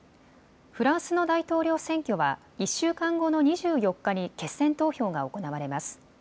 フランスの大統領選挙は１週間後の２４日に決選投票が行われます。